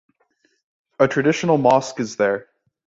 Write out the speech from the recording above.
A traditional mosque is there.